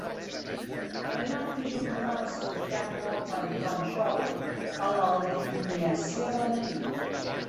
També van afegir el programa sindicat "Bob and Tom Show" a l'alineació del matí.